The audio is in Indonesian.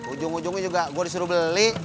ujung ujungnya juga gue disuruh beli